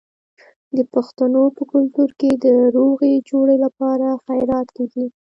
د پښتنو په کلتور کې د روغې جوړې لپاره خیرات کیږي.